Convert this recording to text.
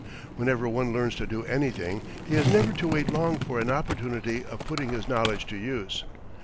Whenever one learns to do anything he has never to wait long for an opportunity of putting his knowledge to use.